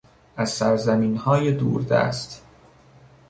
از سرزمینهای دوردست